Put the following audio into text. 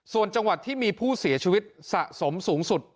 ส่วนจังหวัดที่มีผู้เสียชีวิตสะสมสูงสุด